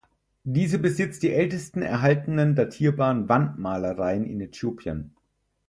Diese besitzt die ältesten erhaltenen datierbaren Wandmalereien in Äthiopien.